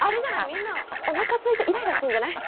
みんなおなかすいてイライラしてんじゃない？